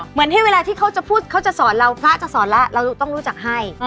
เหมือนให้เวลาที่เขาจะพูดเขาจะสอนเราพระจะสอนแล้วเราต้องรู้จักให้